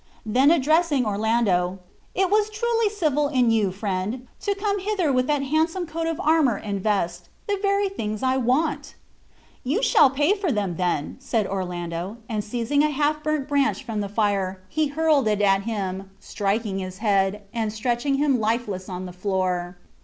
Then addressing Orlando, "It was truly civil in you, friend, to come hither with that handsome coat of armor and vest, the very things I want." "You shall pay for them, then," said Orlando; and seizing a half burnt brand from the fire, he hurled it at him, striking his head, and stretching him lifeless on the floor.